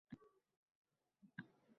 Suratga tushaylik, dedi to`satdan